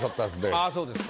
あぁそうですか。